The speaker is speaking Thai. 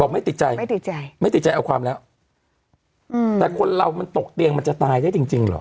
ไม่ติดใจไม่ติดใจไม่ติดใจเอาความแล้วอืมแต่คนเรามันตกเตียงมันจะตายได้จริงจริงเหรอ